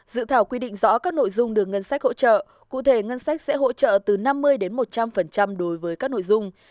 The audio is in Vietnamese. dự thảo quy định rõ các nội dung được ngân sách hỗ trợ cụ thể ngân sách sẽ hỗ trợ từ năm mươi đến một trăm linh đối với các nội dung